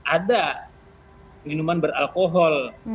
ada minuman beralkohol